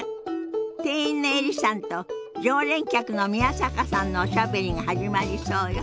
店員のエリさんと常連客の宮坂さんのおしゃべりが始まりそうよ。